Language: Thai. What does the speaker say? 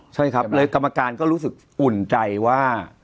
ใช่ครับเลยกรรมการก็รู้สึกอุ่นใจว่า